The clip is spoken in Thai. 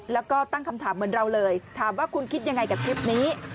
แล้วก็ตั้งคำถามเหมือนเราเลยถามว่าคุณคิดยังไงกับคลิปนี้